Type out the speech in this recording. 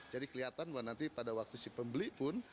jadi kelihatan bahwa nanti pada waktu si pembeli pun